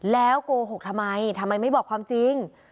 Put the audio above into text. แล้วโกหกทำไมทำไมไม่บอกความจริง